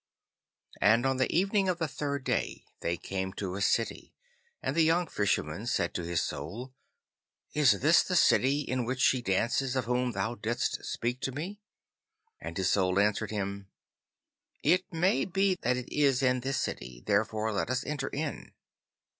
And on the evening of the third day they came to a city, and the young Fisherman said to his Soul, 'Is this the city in which she dances of whom thou didst speak to me?' And his Soul answered him, 'It may be that it is in this city, therefore let us enter in.